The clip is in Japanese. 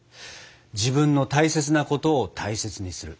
自分の大切なことを大切にする。